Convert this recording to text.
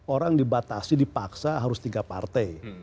orang dibatasi dipaksa harus tiga partai